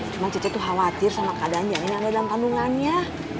cuma cece itu khawatir sama keadaannya ini ada dalam kandungannya